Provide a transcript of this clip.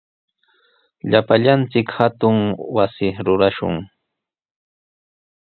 Llapallanchik hatun wasi rurashun.